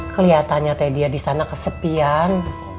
keliatannya teh dia disana kesepian